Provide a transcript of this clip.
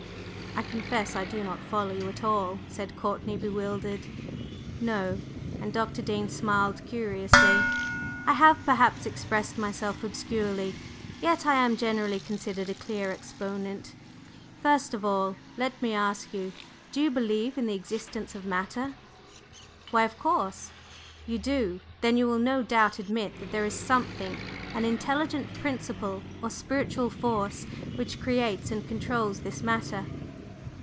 "I confess I do not follow you at all," said Courtney bewildered. "No," and Dr. Dean smiled curiously. "I have perhaps expressed myself obscurely. Yet I am generally considered a clear exponent. First of all, let me ask you, do you believe in the existence of Matter?" "Why, of course!" "You do. Then you will no doubt admit that there is Something an Intelligent Principle or Spiritual Force which creates and controls this Matter?"